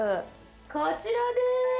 こちらでーす。